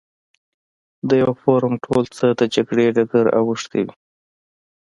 د یوه فورم ټول څه د جګړې ډګر اوښتی وي.